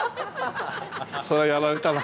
そりゃやられたな。